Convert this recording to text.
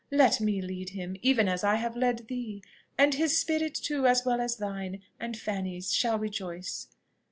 Let me lead him, even as I have led thee, and his spirit too, as well as thine and Fanny's, shall rejoice!"